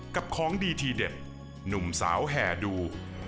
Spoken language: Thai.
ของดีทีเด็ดหนุ่มสาวแห่ดู